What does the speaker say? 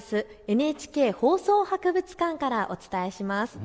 ＮＨＫ放送博物館からお伝えします。